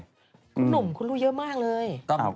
คุณหนุ่มคุณรู้เยอะมากเลย